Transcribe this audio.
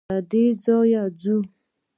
له دې ځايه ځو.